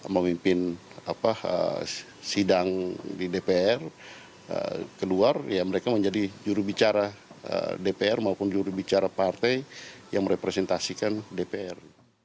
dan sidang di dpr keluar mereka menjadi juru bicara dpr maupun juru bicara partai yang merepresentasikan dpr